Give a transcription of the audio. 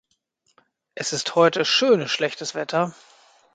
Es ist heute schönes schlechtes Wetter.